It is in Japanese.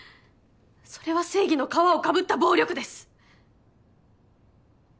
それは正義の皮を被った暴力です。